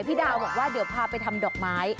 พี่ดาวบอกว่าเดี๋ยวพาไปทำดอกไม้